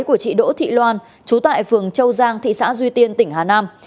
của chị đỗ thị loan chú tại phường châu giang thị xã duy tiên tỉnh hà nam